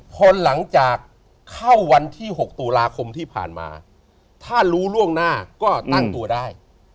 พอหลังจากเข้าวันที่๖ตุลาคมที่ผ่านมาถ้ารู้ล่วงหน้าก็ตั้งตัวได้